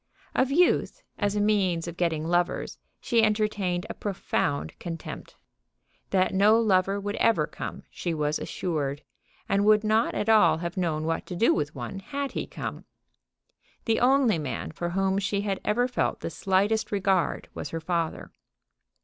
Of youth, as a means of getting lovers, she entertained a profound contempt. That no lover would ever come she was assured, and would not at all have known what to do with one had he come. The only man for whom she had ever felt the slightest regard was her father.